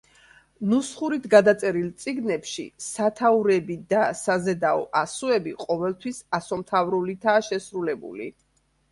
ნუსხურით გადაწერილ წიგნებში სათაურები და საზედაო ასოები ყოველთვის ასომთავრულითაა შესრულებული.